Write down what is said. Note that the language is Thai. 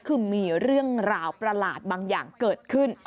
คือมีเรื่องราวประหลาดบางอย่างเกิดขึ้น